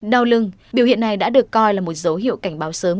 đau lưng biểu hiện này đã được coi là một dấu hiệu cảnh báo sớm